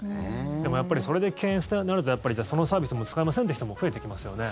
でもやっぱりそれで検閲となるとそのサービスをもう使いませんって人も増えてきますよね。